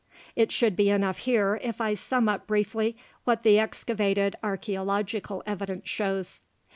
It should be enough here if I sum up briefly what the excavated archeological evidence shows.